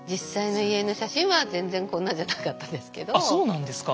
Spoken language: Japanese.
そうなんですか。